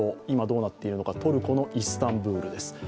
今どうなっているのか、トルコのイスタンブールです。